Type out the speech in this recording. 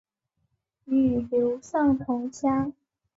与刘胜同乡。